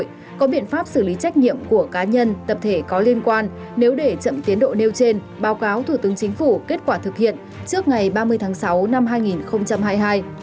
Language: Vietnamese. bộ đội có biện pháp xử lý trách nhiệm của cá nhân tập thể có liên quan nếu để chậm tiến độ nêu trên báo cáo thủ tướng chính phủ kết quả thực hiện trước ngày ba mươi tháng sáu năm hai nghìn hai mươi hai